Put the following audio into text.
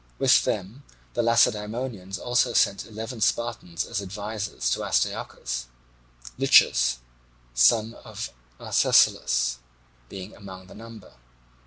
With them the Lacedaemonians also sent eleven Spartans as advisers to Astyochus; Lichas, son of Arcesilaus, being among the number.